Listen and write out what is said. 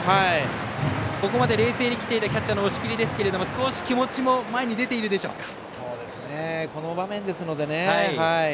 ここまで冷静にきていたキャッチャーの押切ですが少し気持ちも前に出ているでしょうか。